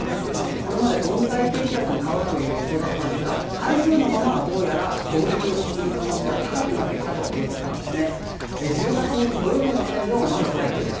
これまで温帯低気圧に変わるという予想だったんですが台風のままどうやら上陸する可能性が高くなってきたということなんですね１８日土曜日の時点でもまだ台風です